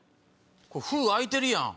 封開いてるやん。